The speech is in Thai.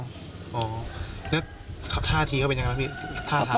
อ๋อแล้วท่าทีเขาเป็นอย่างไรนะพี่